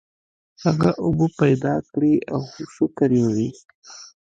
هغه اوبه پیدا کړې او شکر یې وویست.